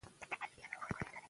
ایا سړی راضي ښکاري؟